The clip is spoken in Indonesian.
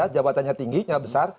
jabatannya tinggi jahat besar